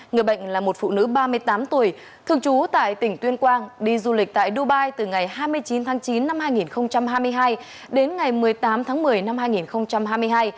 người bệnh là một phụ nữ ba mươi tám tuổi thường trú tại tỉnh tuyên quang đi du lịch tại dubai từ ngày hai mươi chín tháng chín năm hai nghìn hai mươi hai đến ngày một mươi tám tháng một mươi năm hai nghìn hai mươi hai